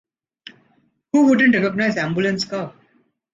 Who wouldn’t recognize ambulance car.